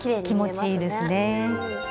気持ちいいですね。